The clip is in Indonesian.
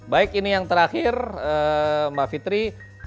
baik ini yang terakhir mbak fitri